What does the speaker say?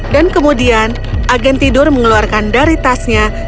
dan kemudian agen tidur mengeluarkan dari tasnya